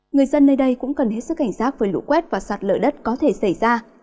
người dân nơi đây cũng cần hết sức cảnh giác với lũ quét và sạt lở đất có thể xảy ra